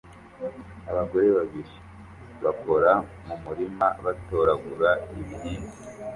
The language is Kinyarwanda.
Abagore babiri bakora mu murima batoragura ibihingwa